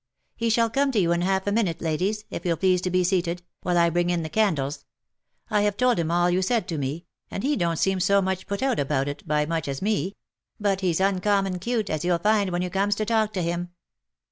" He shall come to you in half a minute, ladies, if you'll please to be seated, while I bring in the candles ;— I have told him all you said to me, and he don't seem so much put out about it, by much, as me, — but he's uncommon 'cute, as you'll find when you comes to talk to him."